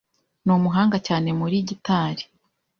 Ni umuhanga cyane muri gitari.